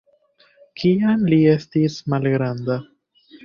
Kiam li estis malgranda.